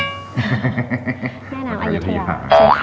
แม่น้ำอายุทยา